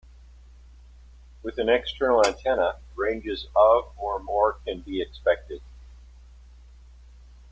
With an external antenna, ranges of or more can be expected.